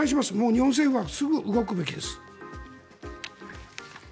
日本政府はすぐ動くべきです。